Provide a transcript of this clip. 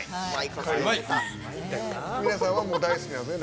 皆さんは大好きなんですね